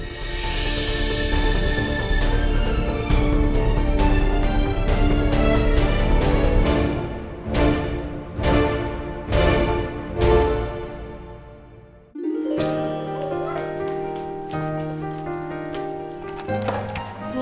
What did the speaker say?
sampai jumpa ya